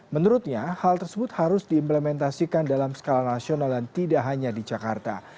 menurutnya hal tersebut harus diimplementasikan dalam skala nasional dan tidak hanya di jakarta